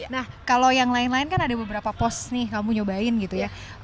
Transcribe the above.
nah kalau yang lain lain kan ada beberapa pos nih kamu nyobain gitu ya